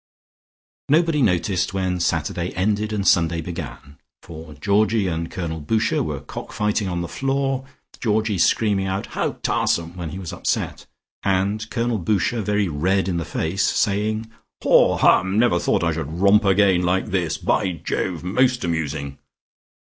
Nobody noticed when Saturday ended and Sunday began, for Georgie and Colonel Boucher were cock fighting on the floor, Georgie screaming out "How tarsome" when he was upset, and Colonel Boucher very red in the face saying "Haw, hum. Never thought I should romp again like this. By Jove, most amusing!"